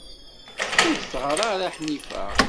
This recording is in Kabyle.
Ur d-teɣri ara Ḥnifa.